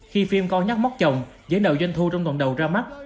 khi phim con nhắc móc chồng giới đầu doanh thu trong tuần đầu ra mắt